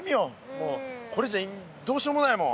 もうこれじゃどうしようもないもん。